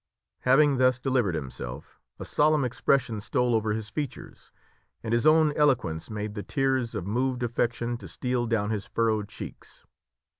Having thus delivered himself, a solemn expression stole over his features, and his own eloquence made the tears of moved affection to steal down his furrowed cheeks.